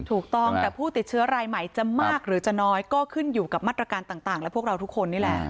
ถูกต้องแต่ผู้ติดเชื้อรายใหม่จะมากหรือจะน้อยก็ขึ้นอยู่กับมาตรการต่างและพวกเราทุกคนนี่แหละ